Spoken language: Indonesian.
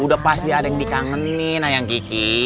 udah pasti ada yang dikangenin ayang kiki